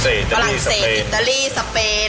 ฝรั่งเศสอิตาลีสเปน